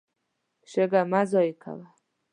شګه مه ضایع کوه.